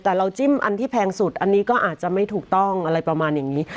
แต่เราจิ้มอันที่แพงสุดอันนี้ก็อาจจะไม่ถูกต้องอะไรประมาณอย่างนี้